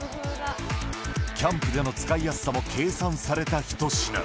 キャンプでの使いやすさも計算された一品。